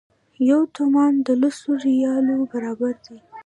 یو تومان د لسو ریالو برابر دی.